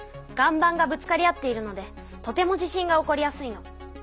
ばんがぶつかり合っているのでとても地震が起こりやすいの。